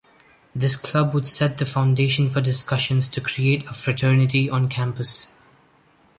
This club would set the foundation for discussions to create a fraternity on campus.